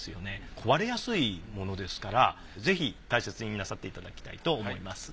壊れやすいものですからぜひ大切になさっていただきたいと思います。